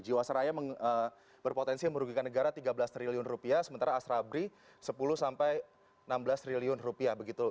jiwaseraya berpotensi merugikan negara tiga belas triliun rupiah sementara astrabri sepuluh sampai enam belas triliun rupiah begitu